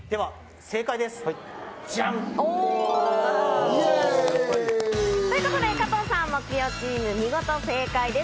じゃん！ということで、加藤さんと木曜チーム、見事正解です！